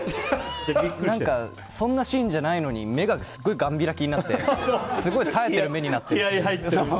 そんなシーンじゃないのに目がガン開きになってすごい耐えてる目になってる。